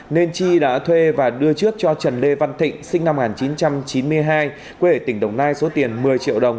nên chi đã thuê và đưa trước cho trần lê văn thịnh sinh năm một nghìn chín trăm chín mươi hai quê ở tỉnh đồng nai số tiền một mươi triệu đồng